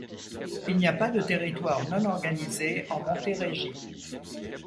Il n'y a pas de territoire non organisé en Montérégie.